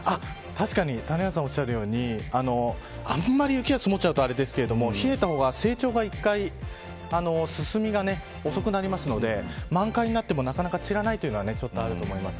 確かに谷原さんがおっしゃったようにあんまり雪が積もるとあれですけど冷えた方が、成長が一回進みが遅くなるので満開になってもなかなか散らないというのあると思います。